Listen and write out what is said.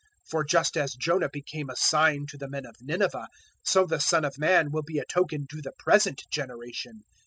011:030 For just as Jonah became a sign to the men of Nineveh, so the Son of Man will be a token to the present generation.